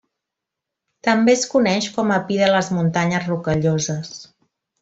També es coneix com a pi de les muntanyes Rocalloses.